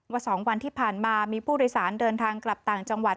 ๒วันที่ผ่านมามีผู้โดยสารเดินทางกลับต่างจังหวัด